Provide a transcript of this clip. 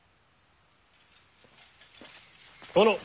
殿。